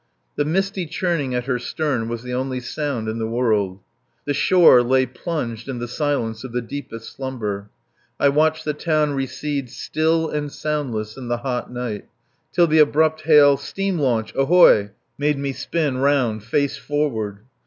The misty churning at her stern was the only sound in the world. The shore lay plunged in the silence of the deeper slumber. I watched the town recede still and soundless in the hot night, till the abrupt hail, "Steam launch, ahoy!" made me spin round face forward.